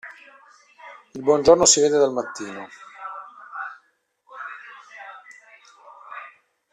Il buon giorno si vede dal mattino.